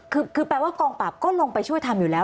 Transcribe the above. คือแปลว่ากองปราบก็ลงไปช่วยทำอยู่แล้ว